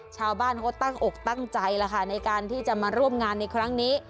ชาวบ้านเขาตั้งอกตั้งใจแล้วค่ะในการที่จะมาร่วมงานในครั้งนี้